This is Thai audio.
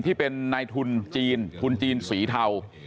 ที่เป็นนายทุนจีนทุนจีนสีเทา